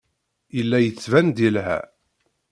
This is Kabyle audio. Yella yettban-d yelha.